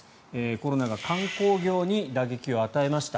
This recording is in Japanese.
コロナが観光業に打撃を与えました。